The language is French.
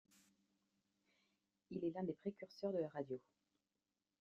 Il est l'un des précurseurs de la radio.